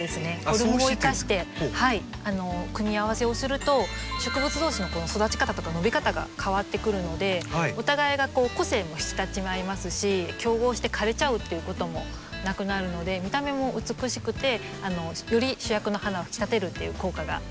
フォルムを生かして組み合わせをすると植物同士の育ち方とか伸び方が変わってくるのでお互いが個性も引き立ち合いますし競合して枯れちゃうっていうこともなくなるので見た目も美しくてより主役の花を引き立てるっていう効果が生まれます。